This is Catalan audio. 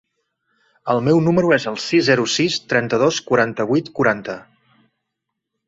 El meu número es el sis, zero, sis, trenta-dos, quaranta-vuit, quaranta.